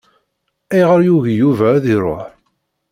Ayɣeṛ yugi Yuba ad iṛuḥ?